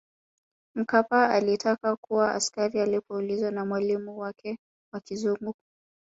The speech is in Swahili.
Mkapa alitaka kuwa askari Alipoulizwa na mwalimu wake wa kizungu